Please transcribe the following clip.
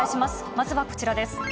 まずはこちらです。